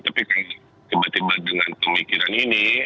tapi kalau tiba tiba dengan pemikiran ini